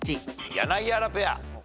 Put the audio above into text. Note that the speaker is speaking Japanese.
柳原ペア。